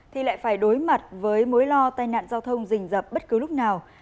thì lại phải đối mặt với mối lo tai nạn giao thông rình dập bất cứ lúc nào